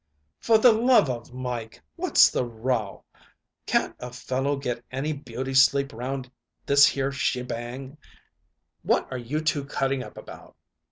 "For the love of Mike, what's the row? Can't a fellow get any beauty sleep round this here shebang? What are you two cutting up about?"